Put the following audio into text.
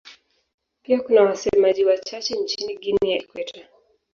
Pia kuna wasemaji wachache nchini Guinea ya Ikweta.